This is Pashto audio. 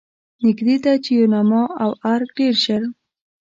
نږدې ده چې یوناما او ارګ ډېر ژر.